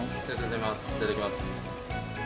いただきます。